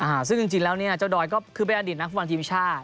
อ่าซึ่งจริงแล้วเนี่ยเจ้าดอยก็คือแบบอันดินนักฟังทีมชาติ